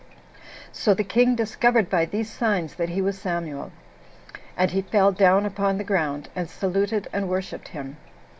So the king discovered by these signs that he was Samuel; and he fell down upon the ground, and saluted and worshipped him.